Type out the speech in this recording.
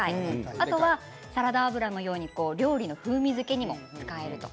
あとはサラダ油のように料理の風味づけにも使える。